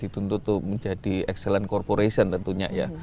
dituntut menjadi excellent corporation tentunya ya